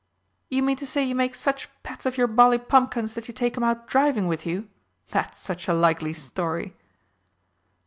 "You mean to say you make such pets of your bally pumpkins that you take 'em out driving with you? That's such a likely story!"